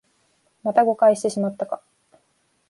また誤解してしまったか